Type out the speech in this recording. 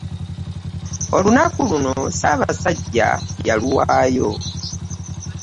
Olunaku luno ssaabasajja yaluwaayo